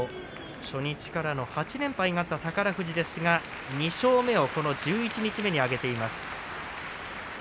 初日からの８連敗があった宝富士ですが２勝目をこの十一日目に挙げています。